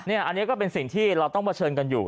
อันนี้ก็เป็นสิ่งที่เราต้องเผชิญกันอยู่